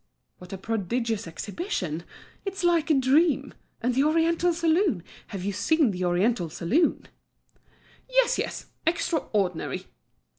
"What a prodigious exhibition! It's like a dream. And the oriental saloon! Have you seen the oriental saloon?" "Yes, yes; extraordinary!"